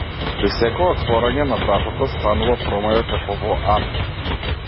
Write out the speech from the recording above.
При секое отворање на вратата станува промаја како во ан.